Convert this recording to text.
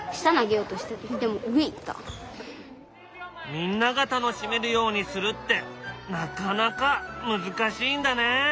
みんなが楽しめるようにするってなかなか難しいんだね。